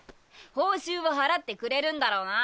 報酬は払ってくれるんだろな！？